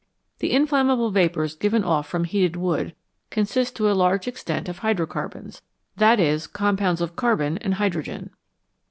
The inflammable vapours given off from heated wood consist to a large extent of hydrocarbons that is, compounds of carbon and hydrogen.